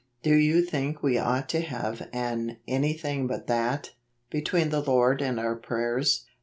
Do you think we ought to have an " anything but that," between the Lord and our prayers